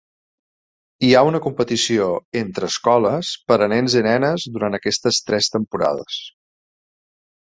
Hi ha una competició entre escoles per a nens i nenes durant aquestes tres temporades.